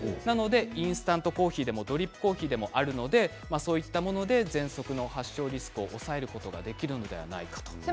インスタントコーヒーでもドリップコーヒーでもありますので、そういったものでぜんそくの発症リスクを抑えることができるのではないかということです。